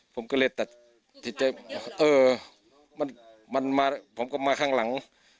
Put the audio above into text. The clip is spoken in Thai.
ผมก็เล็ดแต่ถิดใจเออมันมาผมก็มาข้างหลัง